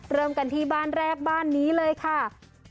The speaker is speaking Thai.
เริ่มกันที่บ้านแรกบ้านนี้เลยค่ะ